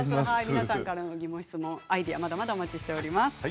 皆さんからの疑問、質問アイデアなどをお待ちしています。